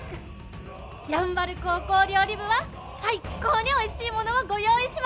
山原高校料理部は最高においしいものをご用意しました！